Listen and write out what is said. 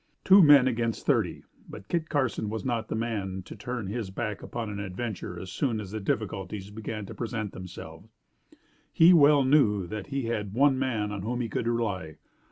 Two men against thirty. But Kit Carson was not the man to turn his back upon an adventure as soon as the difficulties began to present themselves. He well knew that he had one man on whom he could rely.